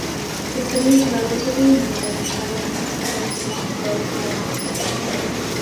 The city is relatively modern, having experienced much growth in the last decade.